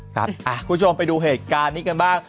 คุณผู้ชมไปดูเหตุการณ์นี้กันบ้าง